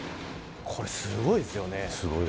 すごいですよね。